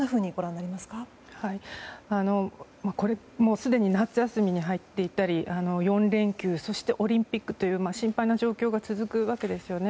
すでに夏休みに入っていたり４連休、オリンピックという心配な状況が続くわけですよね。